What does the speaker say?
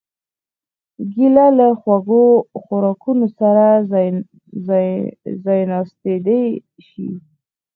کېله له خوږو خوراکونو سره ځایناستېدای شي.